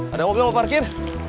ada mobil mau parkir